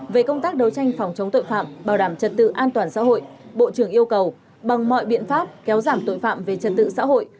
về công tác đấu tranh phòng chống tội phạm bảo đảm trật tự an toàn xã hội bộ trưởng yêu cầu bằng mọi biện pháp kéo giảm tội phạm về trật tự xã hội